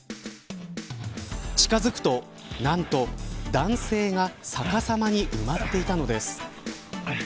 近づくと、何と男性が逆さまに埋まっていたのです。